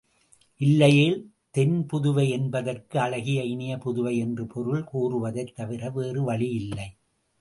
இல்லையேல், தென் புதுவை என்பதற்கு அழகிய இனிய புதுவை என்று பொருள் கூறுவதைத் தவிர வேறு வழியில்லை.